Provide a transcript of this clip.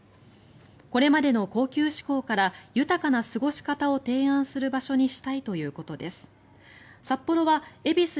これまでの高級志向から豊かな過ごし方を提案する場所にしたいということです。